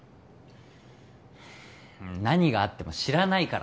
何があっても知らないからな